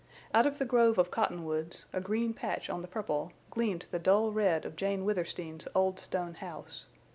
Out of the grove of cottonwoods, a green patch on the purple, gleamed the dull red of Jane Withersteen's old stone house.